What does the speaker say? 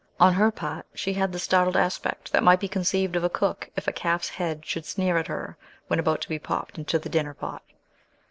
On her part, she had the startled aspect that might be conceived of a cook if a calf's head should sneer at her when about to be popped into the dinner pot.